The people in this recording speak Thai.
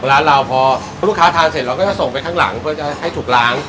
ร้านเราพอลูกค้าทานเสร็จเราก็จะส่งไปข้างหลังเพื่อจะให้ถูกล้าง